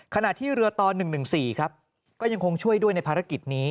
ขณะที่เรือต่อ๑๑๔ครับก็ยังคงช่วยด้วยในภารกิจนี้